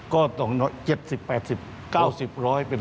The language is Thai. ก็ต้อง๗๐๘๐๙๐๑๐๐เป็นร้อย